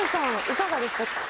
いかがですか？